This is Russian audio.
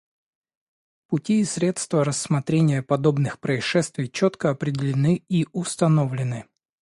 Пути и средства рассмотрения подобных происшествий четко определены и установлены.